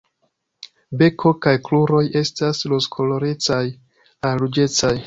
Beko kaj kruroj estas rozkolorecaj al ruĝecaj.